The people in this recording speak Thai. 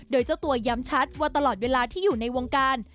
โดยเจ้าตัวย้ำชัดว่าตลอดเวลาที่อยู่ในวงการ